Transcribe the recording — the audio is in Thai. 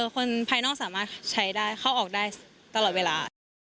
คนภายนอกสามารถใช้ได้เข้าออกได้ตลอดเวลา